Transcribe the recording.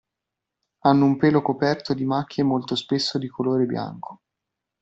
Hanno un pelo coperto di macchie molto spesso di colore bianco.